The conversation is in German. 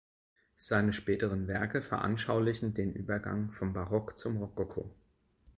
Seine späteren Werke veranschaulichen den Übergang vom Barock zum Rokoko.